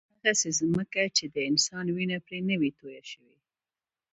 هغسې ځمکه چې د انسان وینه پرې نه وي تویه شوې.